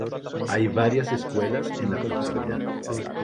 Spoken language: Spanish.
Hay varias escuelas en la proximidad.